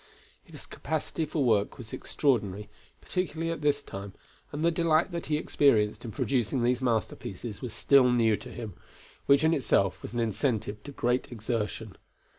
His capacity for work was extraordinary, particularly at this time, and the delight that he experienced in producing these masterpieces was still new to him, which in itself was an incentive to great exertion.